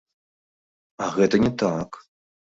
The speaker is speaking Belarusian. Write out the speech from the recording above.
А гэта не так!